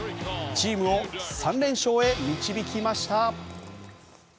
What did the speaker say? チームを３連勝へ導きました。